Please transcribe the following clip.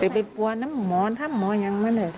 แต่ไปปัวน้ำหมอนถ้าหมอนยังไม่เหลือจ้ะ